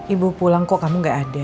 ibu pulang kok kamu gak ada